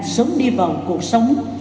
sớm đi vào cuộc sống